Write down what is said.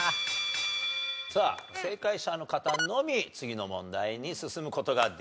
さあ正解者の方のみ次の問題に進む事ができます。